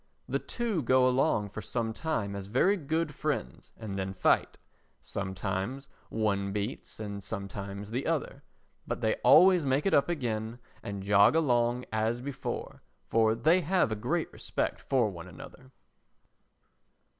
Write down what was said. The two go along for some time as very good friends and then fight; sometimes one beats and sometimes the other, but they always make it up again and jog along as before, for they have a great respect for one another.